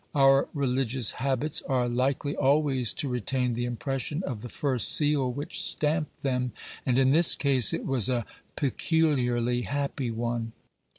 Our religious habits are likely always to retain the impression of the first seal which stamped them, and in this case it was a peculiarly happy one.